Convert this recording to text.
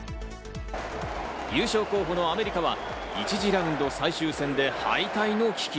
優勝候補のアメリカは１次ラウンド最終戦で敗退の危機。